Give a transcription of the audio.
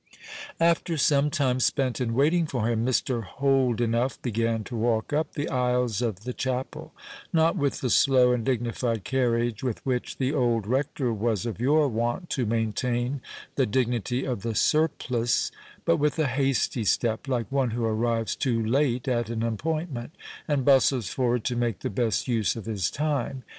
After some time spent in waiting for him, Mr. Holdenough began to walk up the aisles of the chapel, not with the slow and dignified carriage with which the old Rector was of yore wont to maintain the dignity of the surplice, but with a hasty step, like one who arrives too late at an appointment, and bustles forward to make the best use of his time.